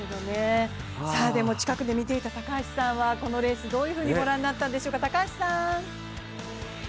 近くで見ていた高橋さんはこのレースどういうふうにご覧になったんでしょうか。